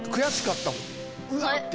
「うわ！」って